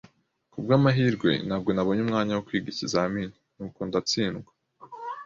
Kubwamahirwe, ntabwo nabonye umwanya wo kwiga ikizamini, nuko ndatsindwa.